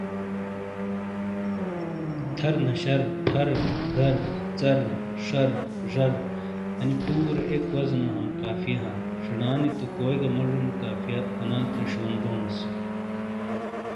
تھَرنَشَر، پھَر گھَر، ژَر، شَر، زَر، اَنی پُورے اک وَزنو ہم قافیہ ہاں شنا نی تو کوئی گا موجونی قافیہ ان تھے شیون بونیس۔